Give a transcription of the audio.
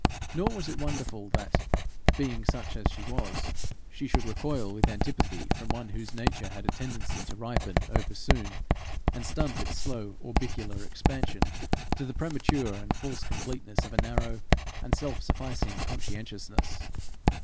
Nor was it wonderful that, being such as she was, she should recoil with antipathy from one whose nature had a tendency to ripen over soon, and stunt its slow orbicular expansion to the premature and false completeness of a narrow and self sufficing conscientiousness.